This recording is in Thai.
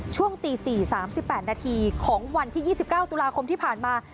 ช่วงตี๔๓๘นาทีของวันที่๒๙ตุลาคมที่ผ่านมา